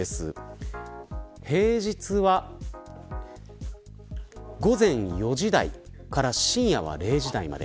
平日は午前４時台から深夜は０時台まで。